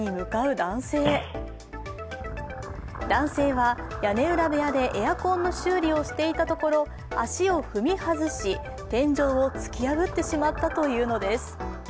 男性は屋根裏部屋でエアコンの修理をしていたところ足を踏み外し天井を突き破ってしまったというのです。